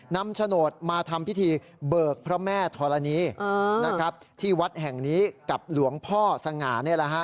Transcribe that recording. นำโฉนดมาทำพิธีเบิกพระแม่ธรณีย์ที่วัดแห่งนี้กับหลวงพ่อสง่า